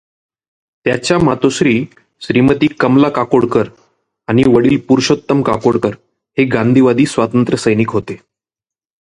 त्याच्या मातोश्री श्रीमती कमला काकोडकर आणि वडील पुरुषोत्तम काकोडकर हे गांधीवादी स्वातंत्र्यसैनिक होते.